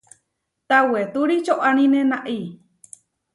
Tawetúri čoʼánine naʼi.